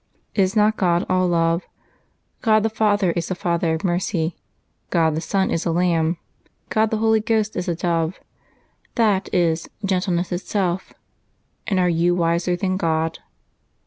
Is not God all love? God the Father is the Father of mercy; God the Son is a Lamb; God the Holy Ghost is a Dove — that is, gentleness itself. And are you wiser than God?"